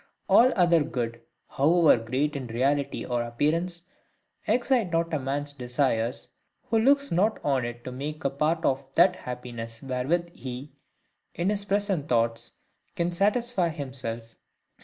All other good, however great in reality or appearance, excites not a man's desires who looks not on it to make a part of that happiness wherewith he, in his present thoughts, can satisfy himself.